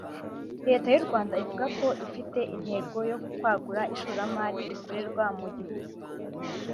Leta y’u Rwanda ivuga ko ifite intego yo kwagura ishoramari rikorerwa mu gihugu